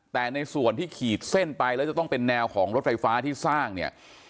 แต่ในส่วนที่ขีดเส้นไปแล้วจะต้องเป็นแนวของรถไฟฟ้าที่สร้างเนี่ย